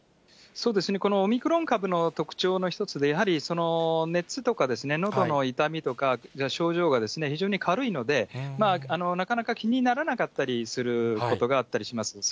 そうですね、このオミクロン株の特徴の一つで、やはり熱とか、のどの痛みとか症状が非常に軽いので、なかなか気にならなかったりすることがあったりします。